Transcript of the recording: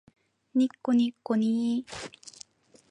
にっこにっこにー